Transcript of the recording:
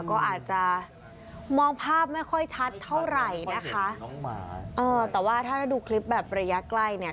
ก็อาจจะมองภาพไม่ค่อยชัดเท่าไหร่นะคะน้องหมาเออแต่ว่าถ้าดูคลิปแบบระยะใกล้เนี่ย